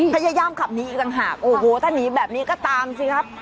พยายามขับหนีอีกระหากถ้าหนีแบบนี้ก็ตามสิครับ